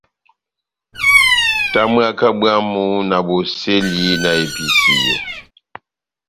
Tamwaka bwámu na bosɛli na episiyo.